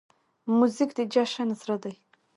موزیک د جشن زړه دی.